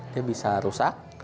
dia bisa rusak